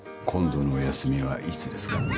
今度のお休みはいつですか？